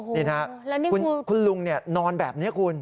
นี่นะครับคุณลุงนอนแบบนี้คุณ